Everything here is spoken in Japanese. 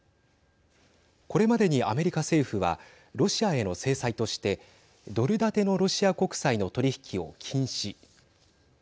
これまでに、アメリカ政府はロシアへの制裁としてドル建てのロシア国債の取り引きを禁止。